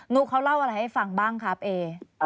ุ๊กเขาเล่าอะไรให้ฟังบ้างครับเอ